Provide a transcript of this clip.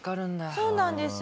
そうなんですよ。